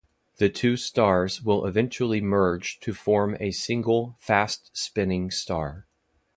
The two stars will eventually merge to form a single fast-spinning star.